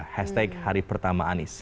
hashtag hari pertama anies